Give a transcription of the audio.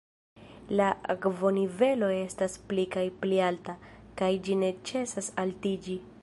La akvonivelo estas pli kaj pli alta, kaj ĝi ne ĉesas altiĝi.